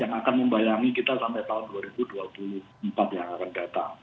yang akan membayangi kita sampai tahun dua ribu dua puluh empat yang akan datang